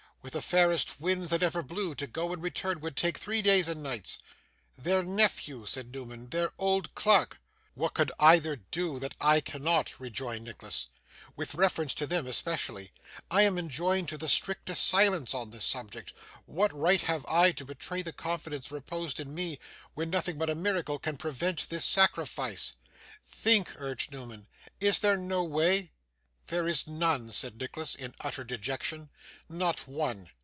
With the fairest winds that ever blew, to go and return would take three days and nights.' 'Their nephew,' said Newman, 'their old clerk.' 'What could either do, that I cannot?' rejoined Nicholas. 'With reference to them, especially, I am enjoined to the strictest silence on this subject. What right have I to betray the confidence reposed in me, when nothing but a miracle can prevent this sacrifice?' 'Think,' urged Newman. 'Is there no way?' 'There is none,' said Nicholas, in utter dejection. 'Not one.